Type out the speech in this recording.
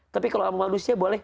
tapi kalau sama manusia boleh